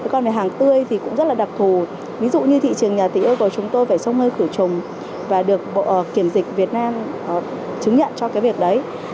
còn về hàng tươi thì cũng rất là đặc thù ví dụ như thị trường nhà tị yêu cầu chúng tôi phải xông hơi khử trùng và được bộ kiểm dịch việt nam chứng nhận cho cái việc đấy